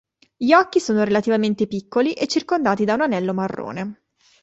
Gli occhi sono relativamente piccoli e circondati da un anello marrone.